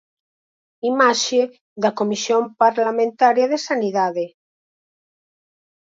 Imaxe da comisión parlamentaria de Sanidade.